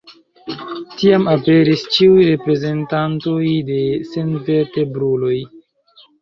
Tiam aperis ĉiuj reprezentantoj de senvertebruloj.